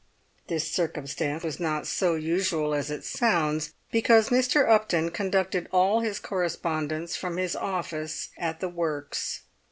This circumstance was not so usual as it sounds, because Mr. Upton conducted all his correspondence from his office at the works.